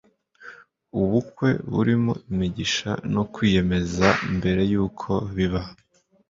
Ubukwe burimo imigisha no kwiyemeza mbere yuko biba